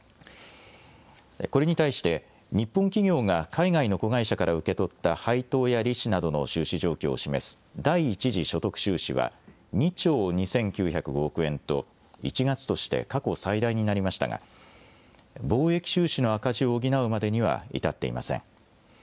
これに対して、日本企業が海外の子会社から受け取った配当や利子などの収支状況を示す第一次所得収支は２兆２９０５億円と、１月として過去最大になりましたが、貿易収支の赤字を補うまでには至っていません。